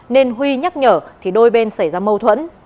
nên huy nhắc nhở thì đôi bên xảy ra mâu thuẫn